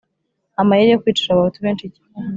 amayeri yo kwicira abahutu benshi icyarimwe